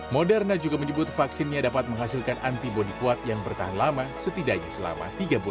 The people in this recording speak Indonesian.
moderna juga menyebut vaksinnya dapat menghasilkan antibody kuat yang bertahan lama setidaknya selama tiga bulan